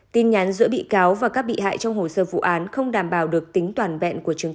tin nhắn giữa bị cáo và các bị hại trong hồ sơ vụ án không đảm bảo được tính toàn vẹn của chứng